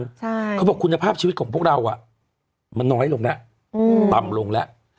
ใช่เขาบอกคุณภาพชีวิตของพวกเราอ่ะมันน้อยลงแล้วอืมต่ำลงแล้ว